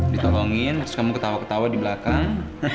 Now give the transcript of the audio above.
ditolongin terus kamu ketawa ketawa di belakang